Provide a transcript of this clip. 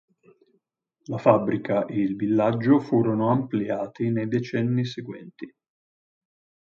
La fabbrica e il villaggio furono ampliati nei decenni seguenti.